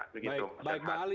baik bang ali